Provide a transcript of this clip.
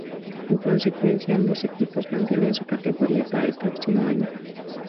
En consecuencia, Ambos equipos mantienen su categoría para el próximo año.